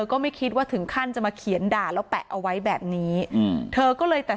ก็ไม่คิดว่าถึงขั้นจะมาเขียนด่าแล้วแปะเอาไว้แบบนี้อืมเธอก็เลยแต่